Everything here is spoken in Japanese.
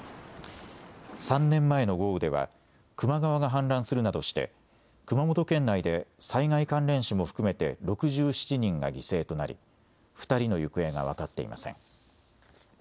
３年前の豪雨では、球磨川が氾濫するなどして、熊本県内で災害関連死も含めて６７人が犠牲となり、２人の行方が分かっていません。